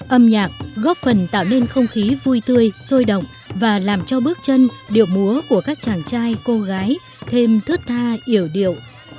âm nhạc góp phần tạo nên không khí vui tươi sôi động và làm cho bước chân điệu múa của các chàng trai cô gái thêm thước tha yếu điệu